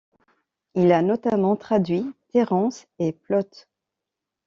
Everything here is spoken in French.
Il a notamment traduit Térence et Plaute.